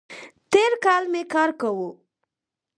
تېر کال می کار کاوو